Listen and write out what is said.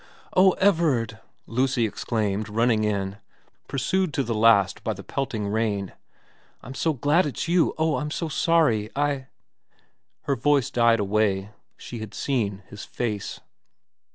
' Oh Everard !' Lucy exclaimed, running in, pursued to the last by the pelting rain, ' I'm so glad it's you oh I'm so sorry I ' Her voice died away ; she had seen his face.